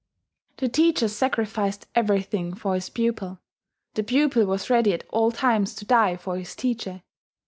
The teacher sacrificed everything for his pupil: the pupil was ready at all times to die for his teacher.